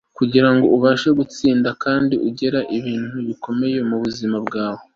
kugirango ubashe gutsinda kandi ugere kubintu bikomeye mubuzima bwawe